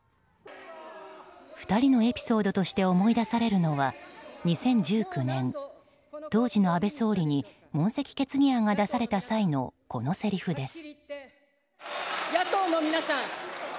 ２人のエピソードとして思い出されるのは２０１９年、当時の安倍総理に問責決議案が出された際のこのせりふです。